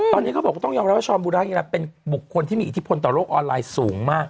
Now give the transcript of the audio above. ตอนนี้เขาบอกว่าต้องยอมรับว่าช้อนบุราฮีราเป็นบุคคลที่มีอิทธิพลต่อโลกออนไลน์สูงมาก